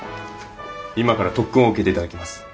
今から特訓を受けて頂きます。